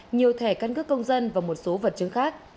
nhiều thẻ căn cước công dân và một số vật chứng khác